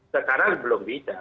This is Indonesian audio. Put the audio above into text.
sekarang belum bisa